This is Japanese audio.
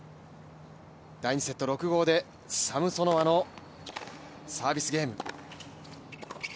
第２セット、６−５でサムソノワのサービスゲーム。